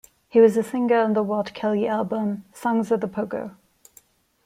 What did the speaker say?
He was a singer on the Walt Kelly album "Songs of the Pogo".